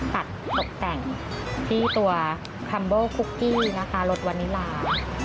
ตัดตกแต่งที่ตัวคัมโบคุกกี้นะคะรถวานิลา